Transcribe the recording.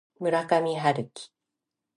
村上春樹